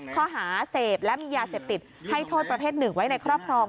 ข้อหาเสพและมียาเสพติดให้โทษประเภทหนึ่งไว้ในครอบครอง